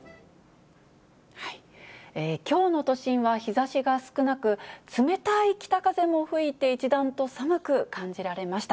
きょうの都心は日ざしが少なく、冷たい北風も吹いて、一段と寒く感じられました。